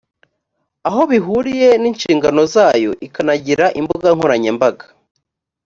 aho bihuriye n inshingano zayo ikanagira imbuga nkoranyambaga